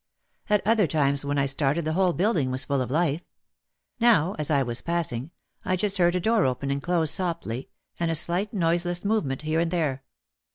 At other times when I started the whole building was full of life. Now as I was passing I just heard a door open and close softly, and a slight noiseless movement here and there.